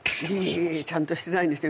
ちゃんとしてないんですよ